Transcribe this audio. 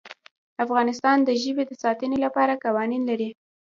افغانستان د ژبې د ساتنې لپاره قوانین لري.